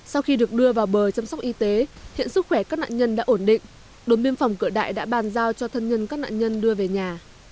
sau khi được đưa vào bờ chăm sóc y tế hiện sức khỏe các nạn nhân đã ổn định đồn biên phòng cửa đại đã bàn giao cho thân nhân các nạn nhân đưa về nhà